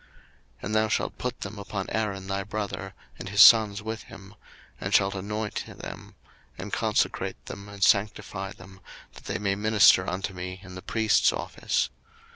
02:028:041 And thou shalt put them upon Aaron thy brother, and his sons with him; and shalt anoint them, and consecrate them, and sanctify them, that they may minister unto me in the priest's office.